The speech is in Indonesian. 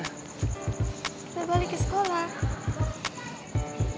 kita balik ke sekolah